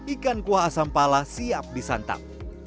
ikan kuah asam pala siap disantap